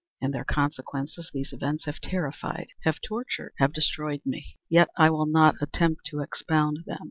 In their consequences, these events have terrified—have tortured—have destroyed me. Yet I will not attempt to expound them.